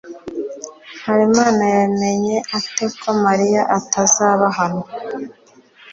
Habimana yamenye ate ko Mariya atazaba hano?